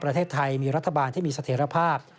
ประเทศไทยมีรัฐบาลที่มีเสถียรภาพ